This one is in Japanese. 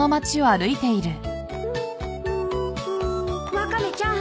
・ワカメちゃん。